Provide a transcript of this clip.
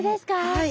はい。